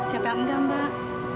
siapa yang enggak mbak